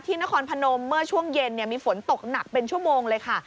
นครพนมเมื่อช่วงเย็นมีฝนตกหนักเป็นชั่วโมงเลยค่ะ